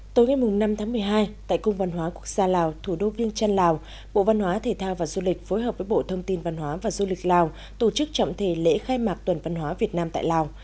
tối ngày năm tháng một mươi hai tại cung văn hóa quốc gia lào thủ đô viêng trăn lào bộ văn hóa thể thao và du lịch phối hợp với bộ thông tin văn hóa và du lịch lào tổ chức trọng thể lễ khai mạc tuần văn hóa việt nam tại lào